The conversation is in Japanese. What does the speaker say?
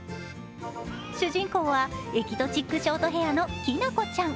主人公はエキゾチックショートヘアのきなこちゃん。